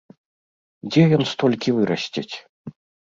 Дзе ён столькі вырасціць?